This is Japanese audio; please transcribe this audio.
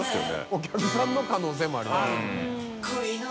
お客さんの可能性もあるの？